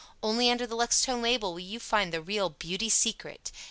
ONLY under the Luxtone label will you find the REAL "Beauty Secret."